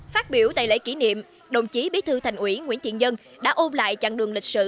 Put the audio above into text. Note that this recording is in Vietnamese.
phát biểu tại lễ kỷ niệm đồng chí bí thư thành ủy nguyễn thiện nhân đã ôm lại chặng đường lịch sử